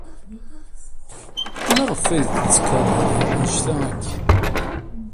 Maɣef ay tt-tkeṛhed anect-a akk?